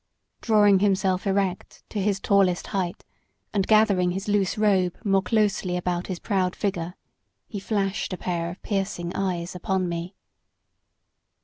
"Drawing himself erect to his tallest height, and gathering his loose robe more closely about his proud figure, he flashed a pair of piercing eyes upon me.